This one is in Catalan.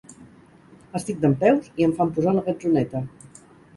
Estic dempeus i em fan posar a la gatzoneta.